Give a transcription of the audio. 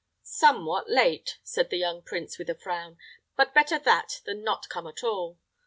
"Somewhat late," said the young prince, with a frown; "but better that than not come at all.